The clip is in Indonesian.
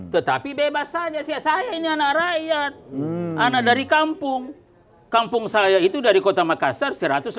tetapi bebas saja saya ini anak rakyat anak dari kampung kampung saya itu dari kota makassar satu ratus delapan puluh